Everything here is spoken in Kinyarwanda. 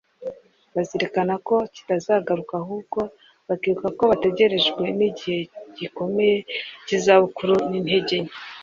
bazirikana ko kitazagaruka ahubwo bakibuka ko bategerejwe n’igihe gikomeye cy’izabukuru n’intege nke